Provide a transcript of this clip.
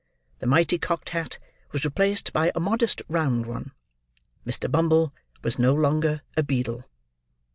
The mighty cocked hat was replaced by a modest round one. Mr. Bumble was no longer a beadle.